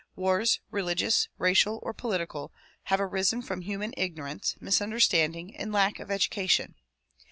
Wars, religious, racial or political have arisen from human ignorance, misunderstanding and lack of education.